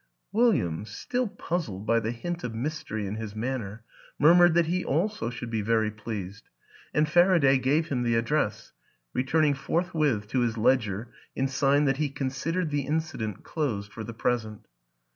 William, still puzzled by the hint of mystery in his manner, murmured that he also should be very pleased, and Faraday gave him the address returning forthwith to his ledger in sign that he considered the incident closed for the present.